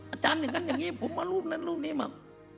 อาจารย์อย่างงี้ผมเอารูปนั้นรูปนี้มา